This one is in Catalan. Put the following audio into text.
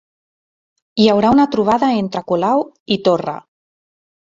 Hi haurà una trobada entre Colau i Torra